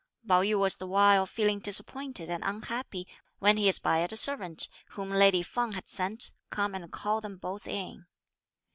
Pao yü was the while feeling disappointed and unhappy, when he espied a servant, whom lady Feng had sent, come and call them both in.